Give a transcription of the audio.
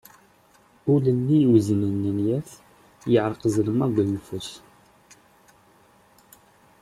Ul-nni iweznen nenγa-t, yeԑreq ẓelmeḍ d uyeffus.